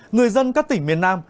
người dân các tỉnh miền nam